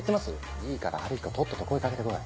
いいから晴彦とっとと声掛けて来い。